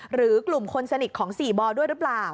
หรือกลุ่มคนสนิทของ๔บอด้วยหรือเปล่า